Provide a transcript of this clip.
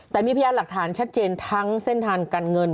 แต่มีพยานหลักฐานชัดเจนทั้งเส้นทางการเงิน